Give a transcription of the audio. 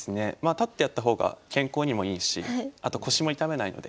立ってやった方が健康にもいいしあと腰も痛めないので。